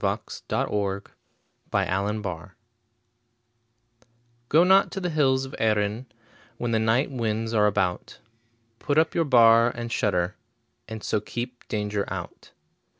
W X . Y Z The Wind on the Hills GO not to the hills of Erinn When the night winds are about, Put up your bar and shutter, And so keep danger out.